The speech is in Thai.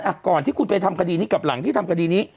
ก่อนที่คุณไปทำคดีนี้กับหลังที่ทำคดีนี้